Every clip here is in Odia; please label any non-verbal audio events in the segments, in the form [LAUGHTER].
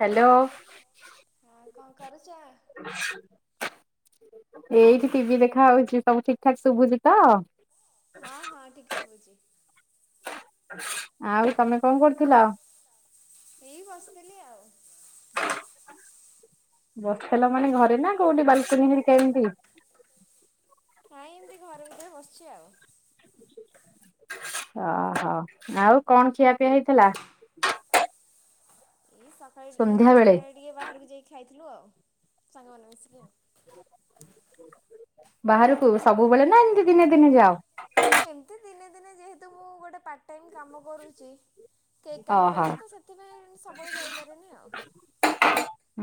ହ୍ୟାଲୋ। ହଁ କଣ କରୁଛ? ଏଇଠି ଟିଭି ଦେଖା ହଉଛି ସବୁ ଠିକ ଠାକ ଶୁଭୁଛି ତ। ହଁ ହଁ ଠିକ ଶଭୁଛି। ଆଉ ତମେ କଣ କରୁଥିଲ? ଏଇ ବସିଥିଲି ଆଉ। ବସିଥିଲ ମାନେ ଘରେ ନା କୋଉଠି ବାଲକୁନି ହେରିକା ଏମିତି। ନାଇଁ ଏମିତି ଘର ଭିତରେ ବସିଛି ଆଉ। ଓହୋ ଆଉ କଣ ଖିଆ ପିଆ ହେଇଥିଲା? ଏଇ ସକାଳେ ସନ୍ଧ୍ୟା ନିଜେ ବେଳେ? ସନ୍ଧ୍ୟାବେଳେ ଟିକେ ବାହାରକୁ ଯାଇକି ଖାଇଥିଲୁ ଆଉ ସାଙ୍ଗମାନେ ମିଶିକି ଆଉ। ବାହାରକୁ ସବୁବେଳେ ନା ଏମିତି ଦିନେ ଦିନେ ଯାଅ? ଏମିତି ଦିନେ ଦିନେ ଯେହେତୁ ମୁଁ ଗୋଟେ ପାର୍ଟ ଟାଇମ୍ କାମ କରୁଛି କେକ୍ କାମ ଓହୋ କରୁଛି ତ ସେ ସେଥିପାଇଁ ସବୁବେଳେ ଯାଇପାରେନି ଆଉ।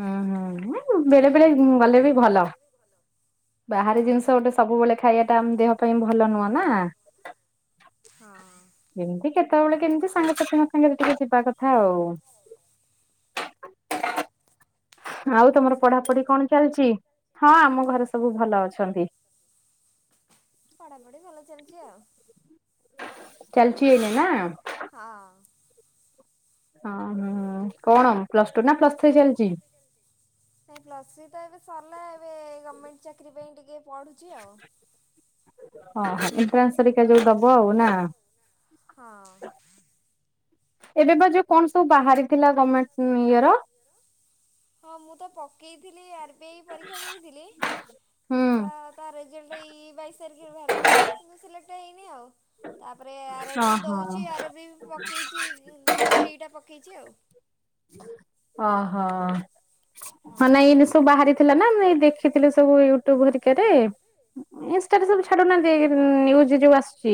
ହୁଁ ହୁଁ ବେଳେ ବେଳେ ଗଲେ ବି ଭଲ। ବାହାରି ହଁ ଜିନିଷ ଗୋଟେ ସବୁବେଳେ ଖାଇବା ଟା ଆମ ଦେହ ପାଇଁ ଭଲ ନୁହଁ ନା। ହଁ। ଏମତି କେତେବେଳେ କେମିତି ସାଙ୍ଗସାଥୀ ମୋ ସାଙ୍ଗ ଟିକେ ଯିବା କଥା ଆଉ। [INAUDIBLE] ଆଉ ଘରେ ତମର ସେ ପଢାପଢି କେମିତି କଣ ଚାଲିଛି ହଁ ଆମ ଘରେ ସବୁ ଭଲ ଅଛନ୍ତି। ପଢ଼ାପଢ଼ୀ ଭଲ ଚାଲିଛି ଆଉ। ଚାଲିଛି ଏଇନ ନା। ହଁ। ହଁ ଓଁ କଣ ପ୍ଲସ୍ ଟୁ ନା ପ୍ଲସ୍ ଥ୍ରୀ ଚାଲିଛି? [UNINTELLIGIBLE] ନାଇ ପ୍ଲସ ଥ୍ରି ତ ଏବେ ସରିଲା ଏବେ ଗଭମେଣ୍ଟ ଚାକିରି ପାଇଁ ଟିକେ ପଢୁଛି। ଓ ଏଣ୍ଟାନ୍ସ ହେରିକା ଯୋଉ ଦବ ଆଉ ନା। ହଁ। ଏବେ ବା ଯୋଉ କଣ ସବୁ ବାହାରି ଥିଲା ଗଭମେଣ୍ଟ ଇଏ ର। ହଁ ମୁଁ ତ ପକେଇଥିଲି ଆର୍ ବି ଆଇ ପରୀକ୍ଷା ଦେଇଥିଲି। ହୁଁ। ତା ତା ରେଜଲ୍ଟ ଏଇ ବାଇଶ ତାରିଖରେ ବାହାରିଲା କିନ୍ତୁ ସିଲେକ୍ଟ ହେଇନି ଆଉ ତାପରେ ଆର୍ ଆର୍ ବି ଓହୋ। ଦଉଛି ଆର୍ ଆର୍ ବି ପକେଇଛି। ଗ୍ରୁପ୍ ଡି ଟା ପକାଇଛି ଆଉ। ଅ ହଁ। [INAUDIBLE] ହଁ ନାଇ ଏଇନେ ସବୁ ବାହାରି ଥିଲା ନା ମୁ ଏ ଦେଖିଥିଲି ସବୁ ୟୁଟ୍ୟୁବ ହରିକାରେ। ଇନଷ୍ଟାରେ ସବୁ ଛାଡ଼ୁନାହାନ୍ତି ଏଇ ନ୍ୟୁଜ୍ ଯୋଉ ଆସୁଛି।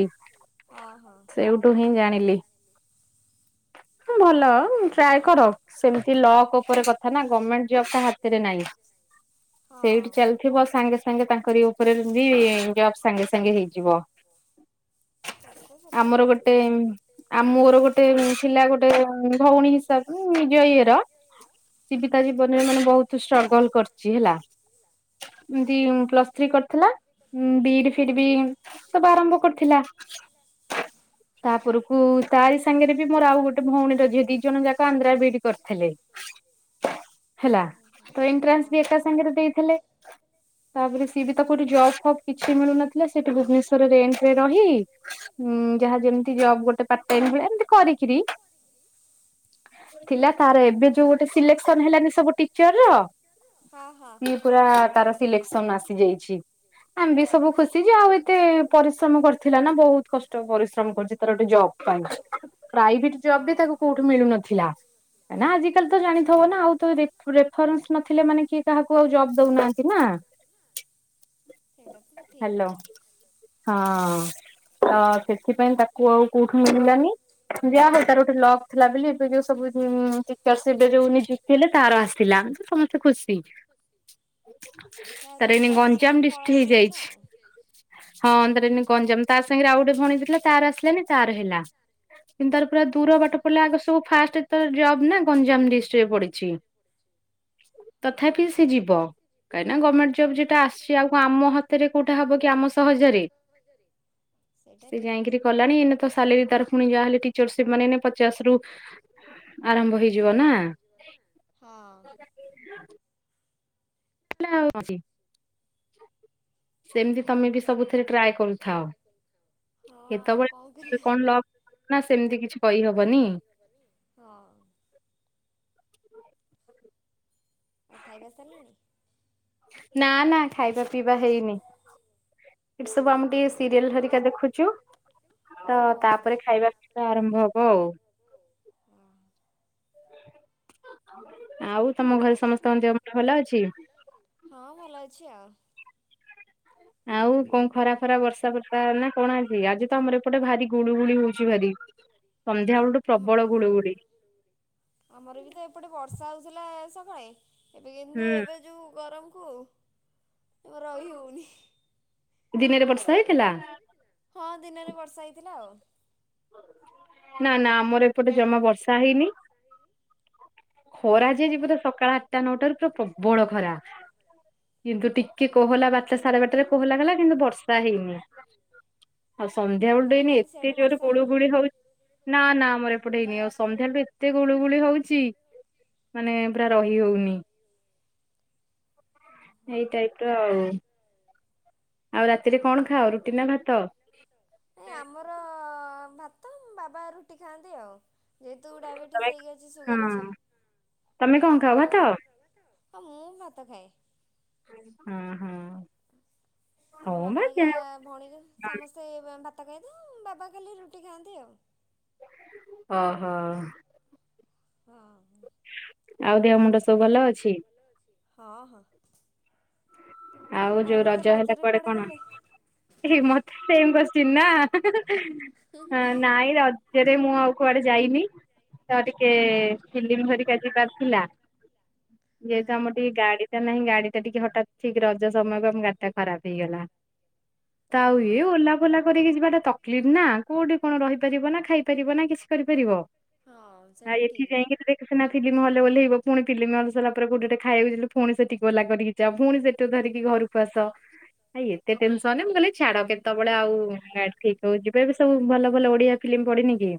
ସେଇଠୁ ସେଇଠୁ ମୁଁ ଜାଣିଲି। ଭଲ ଟ୍ରାଏ କର ସେମତି ଲକ୍ ଉପରେ କଥା ନା ଗଣମେଣ୍ଟ ଜବ କାହା ହାତରେ ନାହିଁ। ହଁ। ସେଇଠି ଚାଲିଥିବ ସାଙ୍ଗେ ସାଙ୍ଗେ ତାଙ୍କରି ଉପରେ ବି ଜବ୍ ସାଙ୍ଗେ ସାଙ୍ଗେ ହେଇଯିବ। ସେଇଟା ତ ସତ କଥା। ଆଉ ମୋର ଗୋଟେ ଥିଲା ଗୋଟେ ଭଉଣୀ ହିସାବରେ ହୁଁ ନିଜ ଇଏର ସିଏବି ତା ଜୀବନରେ ମାନେ ବହୁତ ଷ୍ଟ୍ରଗଲ କରିଛି ହେଲା। ଏମତି ହଁ ପ୍ଲସ୍ ଥ୍ରୀ କରିଥିଲା। ହଁ ବିଡି ଫିଡି ବି ସବୁ ଆରମ୍ଭ କରିଥିଲା। ତାପରକୁ ତାରି ସାଙ୍ଗରେ ବି ମୋର ଆଉ ଗୋଟେ ଭଉଣୀର ଝିଏ ଦି ଜଣ ଯାକ ପ୍ରାୟ ବିଡି କରିଥିଲେ। ହେଲା ହଁ ତ ଏଣ୍ଟ୍ରାନ୍ସ ବି ହ ଏକା ସାଙ୍ଗରେ ହଁ ଦେଇଥିଲେ [UNINTELLIGIBLE] ତାପରେ ସିଏ ବି ତ କୋଉଠି ଜବ ଫବ୍ କିଛି ମିଳୁନଥିଲା ସେଠୁ ଭୁବନେଶ୍ୱରରେ ରେଣ୍ଟରେ ରହି ଉଁ ଯାହା ଯେମତି ଜବ୍ ଗୋଟେ ପାର୍ଟ ଟାଇମ୍ ଭଳିଆ ଏମିତି କରିକିରି ଥିଲା ତାର ଏବେ ଯୋଉ ଗୋଟେ ସିଲେକ୍ସନ ହେଲାନି ସବୁ ଟିଚରର ହଁ ହଁ। ସିଏ ପୁରା ତାର ସିଲେକ୍ସନ ଆସିଯାଇଛି। ଆମ୍ ବି ସବୁ ଖୁସି ଯେ ଆଉ ଏତେ ପରିଶ୍ରମ କରିଥିଲା ନା ବୋହୁତ କଷ୍ଟ ପରିଶ୍ରମ କରିଚି ତାର ଗୋଟେ ଜବ୍ ପାଇଁ ପ୍ରାଇଭିଟ୍ ଜବ୍ ବି ହଁ। ତାକୁ କୋଉ ତ ମିଳୁନଥିଲା ନା ଆଜି କାଲି ତ ଜାଣିଥବ ନା ଆଉ ତ ରେଫ୍ ରେଫରେନ୍ସ ନଥିଲେ ମାନେ କିଏ କାହାକୁ ଆଉ ଜବ୍ ଦଉନାହାନ୍ତି ନା। ସେଇଟା ତ ହଁ ଠିକି। ହ୍ୟାଲୋ ହଁ। ତ ସେଥିପାଇଁ ତାକୁ ଆଉ କୋଉଠୁ ମିଳିଲାନି ଯା ହଉ ତାର ଗୋଟେ ଲକ୍ ଥିଲା ବିଲି ଏବେ ସବୁ ଯୋଉଁ [UNINTELLIGIBLE] ଏବେ ଯୋଉ ନିଯୁକ୍ତି ହେଲେ ତାର ଆସଥିଲା ତ ସମସ୍ତେ ଖୁସି। ଯାହା ତାର ତାଙ୍କ ଏଇନେ ଗଞ୍ଜାମ ପରିଶ୍ରମ ଡିଷ୍ଟି ଫଳ ମିଳିଲା ହେଇଯାଇଛି। ଆଉ। ହଁ ତାର ଏଇନେ ଗଞ୍ଜାମ ତା ସାଙ୍ଗେରେ ଆଉ ଗୋଟେ ଭଉଣୀ ଥିଲା ତାର ଆସିଲାନି ତାର ହେଲା। କିନ୍ତୁ ତାର ପୁରା ଦୂର ଯାହା ବାଟ ହଉ। ପଡିଲା ଆଗ ସବୁ ଫାଷ୍ଟ ତାର ଜବ୍ ନା ଗଞ୍ଜାମ ଡିଷ୍ଟିରେ ପଡିଛି। ହଁ ତଥାପି ସିଏ ଯିବ। କାଇଁ ନା ଗମେଣ୍ଟ ଜବ୍ ଯେଟା ଆସଚି ଆଉ କଁ ଆମ ହାତରେ କୋଉଟା ହବ କି ଆମ ସହଜରେ। ସହଜରେ ସେ ଯାଇଙ୍କିରି କଲାଣି ଏଇେନ ତ ସାଲେରୀ ତାର ପୁଣି ଯାହା ହେଲେ ଟିଚର ସିପ୍ ମାନେ ପଚାଶରୁ ଆରମ୍ଭ ହେଇଯିବ ନା। ହଁ। [UNINTELLIGIBLE] ସେମତି ତମେ ବି ସବୁଥେରେ ଟ୍ରାଏ କରୁଥାଅ। ହଁ ଆଉ କଣ କେତବେଳେ କରିବା କଣ ଲକ ନା ସେମତି କିଛି କଇହବନି। ହଁ। ଆଉ ଖାଇବା ସରିଲାଣି? ନା ନା ଖାଇବା ପିଇବା ହେଇନି। ଏଠି ସବୁ ଆମେ ଟିକେ ସିରିଏଲ ହେରିକା ଦେଖୁଛୁ ତ ଓହୋ ତାପରେ ଖାଇବା ଟା ଆରମ୍ଭ ହବ ଅଉ। ଆଉ ତମ ଘରେ ଆଉ ସମସ୍ତଙ୍କ ଦେହ ମୁଣ୍ଡ ଭଲ ଅଛି? ହଁ ଭଲ ଅଛି ଆଉ। ଆଉ କଁ ଖରା ଫରା ବର୍ଷା ଫର୍ଷା ନା କଣ ଆଜି? ଆଜି ତ ଆମର ଏ ଏପଟେ ଭାରି ଗୁଳୁ ଗୁଳି ହଉଚି ଭାରି ସନ୍ଧ୍ୟାବେଳଠୁ ଆମ ପ୍ରବଳ ଗୁଳୁଗୁଳି। ଆମର ବି ତ ଏପଟେ ବର୍ଷା ହଉଥିଲା ସକାଳେ ଏବେ କିନ୍ତୁ ହୁଁ ଏବେ ଯୋଉ ଗରମକୁ ରହି ହଉନି। ଦିନେରେ ବର୍ଷା ହେଇଥିଲା? ହଁ ଦିନେରେ ବର୍ଷା ହେଇଥିଲା ଆଉ। ନା ନା ଆମର ଏପଟେ ଜମା ବର୍ଷା ହେଇନି। ଖରା ଓହୋ ଯେ ଯିବ ତ ସକାଳ ଆଟା ନଅଟାରୁ ପୁରା ପ୍ରବଳ ଖରା କିନ୍ତୁ ଟି କି କୋହଲା ବାରଟା ସାଡେ ବାରଟାରେ କୋହଲା କଲା କିନ୍ତୁ ବର୍ଷା ହେଇନି। ଆଉ ସନ୍ଧ୍ୟା ଓହୋ ବେଳୁଠୁ ତମେ ଏଇନେ ତାହେଲେ ଏତେ ସିଆଡ଼େ ଜୋରେ ବର୍ଷା ଗୁଳୁ ହେଇନି? ଗୁଳି ହଉ ନା ନା ଆମର ଏପଟେ ହେଇନି ଆଉ ସନ୍ଧ୍ୟାବେଳଠୁ ଏତେ ଗୁଳୁ ଗୁଳି ହଉଚି ମାନେ ପୁରା ରହି ହଉନି। ଏଇ ଟାଇପର ଆଉ। ଆଉ ରାତିରେ କଣ ଖାଅ ରୁଟି ନା ଭାତ? ଏ ଆମର ଭାତ ବାବା ରୁଟି ଖାଆନ୍ତି ଆଉ। ଯେହେତୁ ଡାଇବେଟିସ୍ ତମେ ହେଇକି ଅଛି ସୁଗାର ଅଛି ହଁ ତମେ କଣ ତ ଖାଅ ଭାତ ହଁ ମୁଁ ଭାତ ଖାଏ। ଉଁ ହୁଁ। ଆମେ ମାମା ହେରିକା ଭଉଣୀରା ସମସ୍ତେ ଭାତ ଖାଇ ଥାେଉ ବାବା କାଲି ରୁଟି ଖାଆନ୍ତି ଆଉ। ଓହୋ। ହଁ, ଆଉ ଦେହ ମୁଣ୍ଡ ସବୁ ଭଲ ଅଛି? [UNINTELLIGIBLE] ହଁ, ହଁ। ଆଉ ଯୋଉ ଏଥର ରଜ ହେଲା ରଜରେ କୁଆଡେ କୁଆଡ଼େ କଣ? ଗଲେ? ଏଇ ମତେ ସେମ୍ [UNINTELLIGIBLE] ନା ନାଇଁ ର ଜରେ ମୁଁ ଆଉ କୁଆଡେ ଯାଇନି। ତ ଟିକେ ଫିଲ୍ମ ହରିକା ଯିବାର ଥିଲା। ଯେହେତୁ ହଁ ଆମର ଟିକେ ଗାଡି ଟା ନାହିଁ ଗାଡି ଟା ଟିକେ ହଠାତ୍ ଠିକ ରଜ ସମୟକୁ ଆମ ଗାଡିଟା ଖରାପ ହେଇଗଲା ତ ଆଉ ଓହୋ ଇଏ ଓଲା ଓଲା କରିକି ଯିବାଟା ତକଲିଫ ନା କୋଉଠି କଣ ରହିପାରିବ ନା ଖାଇ ପାରିବ ନା କିଛି କରିପାରିବ। ହଁ ସେଇଟା ଏଠି ଠିକ୍। ଯାଇଙ୍କିରି ଦେ ସେନା ଫିଲ୍ମ ହଲ ବୋଲେ ହେଇବ ପୁଣି ଫିଲ୍ମ ହଲ ସଲା ପରେ ଗୋଟେଟେ ଖାଇବାକୁଇଲେ ପୁଣି ସେ ଟିକ ଓଲା କରିକି ଯ ପୁଣି ସେ ଟୋ ଧରିକି ଘରକୁ ଆସ। ଭାଇ ଏତେ ଟେନସନ ମୁଁ କହିଲି ଛାଡ କେତେବେଳେ ଆଉ ଗାଡି ଠିକ ହଉ ଯିବେ ବି ସବୁ ଭଲ ଭଲ ଓଡିଆ ଫିଲ୍ମ ପଡିିନି କି?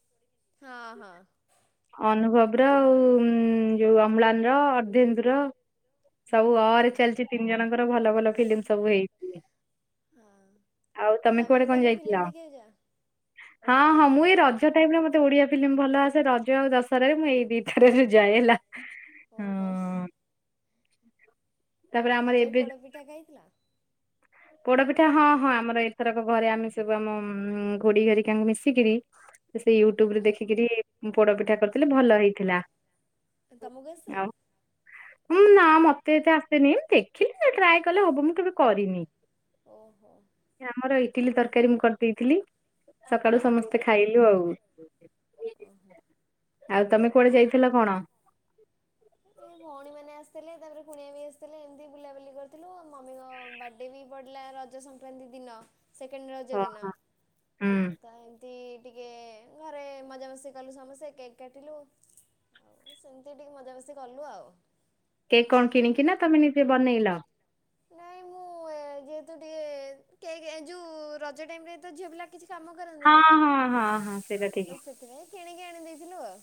ହଁ ହଁ। ଅନୁଭବ ର ଆଉଁ ଯୋଉ ଅମ୍ଳାନ ର ଅରର୍ଧେନ୍ଦ ର ସବୁ ଆରେ ହଁ। ଚାଲିଛି ତିନି ଜଣଙ୍କର ଭଲ ଭଲ ଫିଲ୍ମ ସବୁ ହେଇଛି। ହଁ ଆଉ ତମେ କୁଆଡେ ବି କଣ ତାହେଲେ ଯାଇଥିଲ? ଫିଲ୍ମ ଦେଖିବାକୁ ଯାଅ? ହଁ, ହଁ ମୁଁ ଏଇ ରଜ ଟାଇମରେ ମତେ ଓଡିଆ ଫିଲ୍ମ ଭଲ ଆସେ ରଜ ଆଉ ଦଶହରାରେରେ ମୁଁ ଏଇ ଦିଟାରେରେ ଯାଏ ହେଲା। ଓହୋ। ହଁ ତାପରେ ଆଉ ଆମର ରଜରେ ଏବେ ଯୋଉ ପୋଡପିଠା ଖାଇଥିଲ? ପୋଡପିଠା ହଁ ହଁ ଆମର ଏଥରକ ଘରେ ଆମେ ସବୁ ଆମଉଁ ଖୁଡ଼ି ହେରିଙ୍କା କାଙ୍କୁ ମିଶିକିରି ସେ ୟୁଟ୍ୟୁବରେ ଦେଖିକରି ପୋଡ ପିଠା କରିଥିଲେ ଭଲ ହେଇଥିଲା। ତମକୁ ଆସେ? ଆଉ ନା ମତେ ଏତେ ଆସନି ଦେଖିଲି ଟ୍ରାଏ କଲେ ହବ ମୁଁ କେବେ କରିନି। ଓହୋ। ଆମର ଇଟିଲି ତରକାରୀ ମୁଁ କରିଦେଇଥିଲି ସକାଳୁ ହଁ ହଁ ସମସ୍ତେ ଖାଇଲୁ ଆଉ। ଓହୋ। ଆଉ ତମେ କୁଆଡେ ଯାଇଥିଲ କଣ? ଏ ଭଉଣୀ ମାନେ ଆସିଥିଲେ ତାପରେ କୁଣିଆ ବି ଆସିଥିଲେ ଏମିତି ବୁଲାବୁଲି କରିଥିଲୁ ଆଉ ମମିଙ୍କ ବା ଡେ ବି ପଡ଼ିଲା ରଜ ସଂକ୍ରାନ୍ତି ଦିନ ସେକେଣ୍ଡ ରଜ ହଁ ଦିନ। ହଁ ହୁଁ। ଆଉ ତ ଏମିତି ଟିକେ ଘରେ ମଜାମସ୍ତି କଲୁ ସମସ୍ତେ କେକ୍ କାଟିଲୁ। ଆଉ ସେମିତି ଟିକେ ମଜାମସି କଲୁ ଆଉ। କେକ କଣ କିଣିକି ନା ତମେ ନିଜେ ବନେଇଲ? ନାଇଁ ମୁଁ ଯେହେତୁ ଟିକେ କେକ ଏ ଯୋଉ ରଜ ଟାଇମରେ ଝିଅପିଲା କିଛି କାମ ହଁ କରନ୍ତିନି ହଁ ହଁ ହଁ ସେଇଟା ଠିକ୍ ତ ସେଥିପାଇଁ କିଣିକି ଆଣି ଦେଇଥିଲୁ ଆଉ।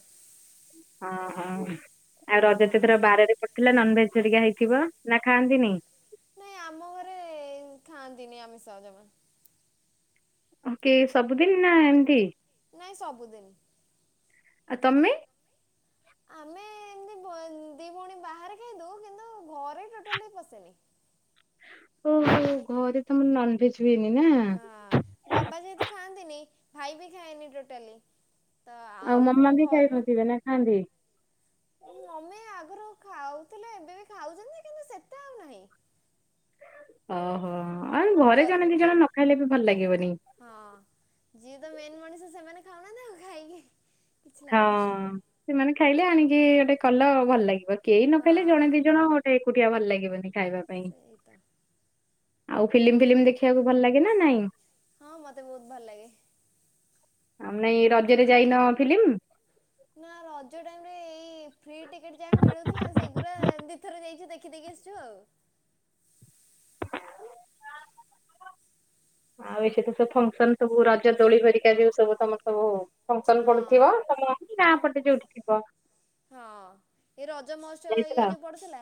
ଓହୋ ଆଉ ହଁ ରଜସେତିର ବାରରେ ପଡ଼ିଥିଲା ନନ ଭେଜରିକା ହେଇଥିବ। ନା ଖାଆନ୍ତିନି। ନାଇଁ ଆମ ଘରେ ଖାଆନ୍ତିନି ଆମେ ସହଜମା। ଓକେ ସବୁଦିନ ନା ଏମତି? ନାଇଁ ସବୁଦିନ। ଆ ତମେ? ଆମେ ଏମତି ବ ଦି ଭଉଣୀ ବାହାରେ ଖାଇଦଉ କିନ୍ତୁ ଘରେ ଟୋଟାଲି ପଶେନି। ଓହୋ ଘରେ ତମର ନନଭେଜ ହୁଏନି ନା। ହଁ ବାବା ଯେହେତୁ ଖାଆନ୍ତିନି ଭାଇ ବି ଖାଏନି ଟୋଟାଲି। ତ ଆଉ ମାମା ଫୁଣ ବି ଘରକୁ ଖାଇନଥିବେ ନା ଖାଆନ୍ତି ମମି ଆଗରୁ ଖାଉଥିଲେ ଏବେ ବି ଖାଉଛନ୍ତି କିନ୍ତୁ ସେତେ ଆଉ ନାହିଁ। ଓହୋ ଆଉ ଜ ଘରେ ଜଣେ ଦି ଜଣ ନ ଖାଇଲେ ବି ଭଲ ଲାଗିବନି। ହଁ ଯିଏ ତ ମେନ୍ ମଣିଷ ସେମାନେ ଖାଉନାହାନ୍ତି ଆଉ ଖାଇକି କିଛି ହଁ ଲାଭନି ସେମାନେ ଖାଇଲେ ଆଣିକି ଗୋଟେ କଲ ଭଲ ଲାଗିବ କେହି ନ ଖାଇଲେ ହଁ ଜଣେ ଦି ଜଣ ଏକୁଟିିଆ ଭଲ ଲାଗିବନି ଖାଇବାକୁ। ସେଇତ। ଆଉ ଫିଲ୍ମ ଫିଲ୍ମ ଦେଖିବାକୁ ଭଲ ଲାଗେ ନା ନାଇଁ? ହଁ ମତେ ବହୁତ ଭଲ ଲାଗେ। ଆମେ ଏ ରଜରେ ଯାଇନ ଫିଲ୍ମ। ନା ରଜ ଟାଇମ୍ ରେ ଏଇ ଫ୍ରି ଟିକେଟ୍ ଯାହା ମିଳୁଥିଲା ସେଇଗୁଡ଼ା ଦିଥର ଯାଇଛୁ ଦେଖିଦେକି ଆସିଛୁ ଆଉ। ଆଉ ଏଠ ତ ସବୁ ଫଙ୍କସନ୍ ସବୁ ରଜ ଦୋଳି ହରିକା ଯଉ ସବୁ ତମର ସବୁ। ଫଙ୍କସନ୍ ହଁ ପଡୁଥିବ ତମ ହଁ ଗାଁ ପଟେ ଯୋଉଠିଥିବ। ହଁ ଏ ରଜ ମହତ୍ସ ଇଏ ଯାଇଥିଲ ଯୋଉ ପଡୁଥିଲା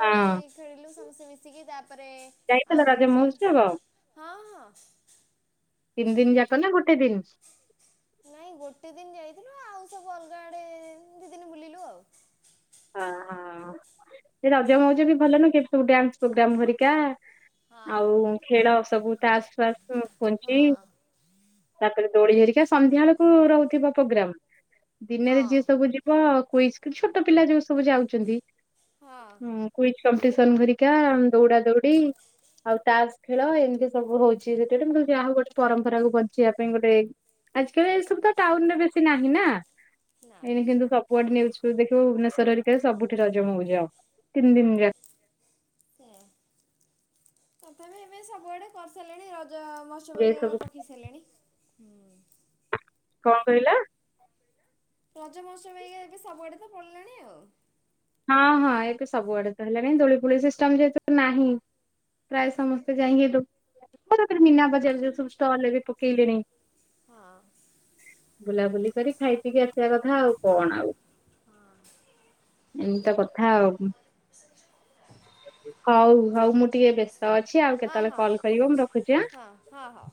ଦୋଳି ହଁ। ଖେଳିଲୁ ସମସ୍ତେ ମିଶିକି ତାପରେ ଯାଇଥିଲ ଆଉ ରଜ କିଛି ମହୋତ୍ସବ? ହଁ ହଁ। ତିନି ଦିନ ଯାକ ନା ଗୋଟେ ଦିନ? ନାଇଁ ଗୋଟେ ଦିନ ଯାଇଥିଲୁ ଆଉ ସବୁ ଅଲଗା ଆଡେ ଦି ଦିନ ବୁଲିଲୁ ଆଉ। ହିଁ ହଁ ରଜ ମଉଜ ବି ଭଲନୁହେଁ କି ଏଠି ସବୁ ଡ୍ୟାନ୍ସ ପ୍ରୋଗ୍ରାମ୍ ହରିକା। ହଁ ଆଉ ଖେଳ ସବୁ ତା ଆସ ଫାସ ହଁ ପୁଞ୍ଚି। ତାପରେ ଦୋଳି ହରିକା ସନ୍ଧ୍ୟା ବେଳକୁ ରହୁଥିବା ପ୍ରୋଗ୍ରାମ୍ ଦିନରେ ହଁ ଯିଏ ସବୁ ଯ କଜ କୁଇଜ୍ ଛୋଟ ପିଲା ଯୋଉ ସବୁ ଯାଉଛନ୍ତି ହଁ କୁଇଜ୍ କପିଟିସ୍ନ କରିକି। କ୍ୟାମ୍ ଦୌଡା ଦୌଡି ଆଉ ତା ଖେଳ ଏମିତି ସବୁ ହଉଛି ସେତ ମୁ ଯାହା ହଉ ଗୋଟେ ପରମ୍ପରାକୁ ବଞ୍ଚେଇିବା ପାଇଁ ଗୋଟେ ଆଜି କାଲି ଏ ସବୁ ତ ଟାଉନୁରେ ବେଶୀ ନାହିଁ ନା ନା ଏଇ କିନ୍ତୁ କୁଆଡେ ନିଉଯୁ ଫିଉଜ୍ ଦେଖୁବୁ ଭୁବନେଶ୍ୱର ହରିକ ସବୁଠି ରଜ ମୋଊଯ ତିନି ଦିନ ଯାକ। ସେ ତଥାପି ଏବେ ସବୁଆଡେ କରିସାରିଲେଣି ରଜ ମ ଯାକ ଏ ଚୋବେଇ ଚୋବେଇକା ସବୁ ପକେଇ ସାରିଲେଣି ହୁଁ। କଣ କହିଲା? ରଜ ମହୋତ୍ସବ ଇଏ ଏବେ ସବୁଆଡେ ତ ପଡଲାଣି ଆଉ। ହଁ ହଁ ଏତ ସବୁଆଡେ ତ ହେଲାଣି ଦୋଳି ଫୋଳି ସିଷ୍ଟମ ଯେହେତୁ ନାହିଁ ପ୍ରାୟ ସମସ୍ତେ ଯାଇକି ଲୁ କ ତାପରେ ମିନା ବଜାର ଯଉ ସବୁ ଷ୍ଟଲ ଏବେ ପକେଇଲେଣି। ହଁ। ବୁଲାବୁଲି କରି ଖାଇ ପିକି ଆସିବା କଥା ଆଉ କଣ ଆଉ ହଁ। ଏଇତ କଥା ଆଉ ହଉ ହଉ ମୁଁ ଟିକେ ବେ ତ ଅଛି ଆଉ ହଁ କେତେବେଳେ ହଁ ହଁ କଲ୍ କରିବ ମୁଁ ରଖୁଛି ଆଁ। ହଁ ହଁ ହଁ।